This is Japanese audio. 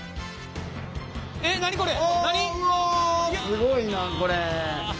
すごいなこれ。